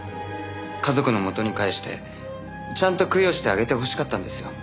家族の元に帰してちゃんと供養してあげてほしかったんですよ。